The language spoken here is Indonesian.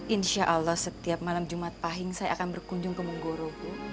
insya allah setiap malam jumat pahing saya akan berkunjung ke munggoro